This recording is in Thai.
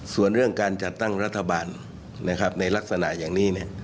ส่วนเรื่องการจัดตั้งรัฐบาลในลักษณะอย่างนี้